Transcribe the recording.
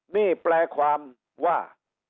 นี่แปลความว่า